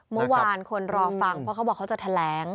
เมื่อวานคนรอฟังเพราะเขาบอกเขาจะแถลง